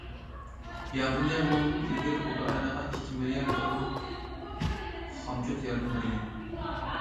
ياپونىيە بۇنىڭدىن ئىلگىرى ئۇكرائىناغا ئىككى مىليارد ياۋرو خامچوت ياردىمى بەرگەن.